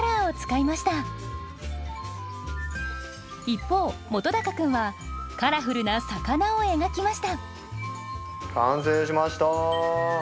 一方本君はカラフルな魚を描きました完成しました。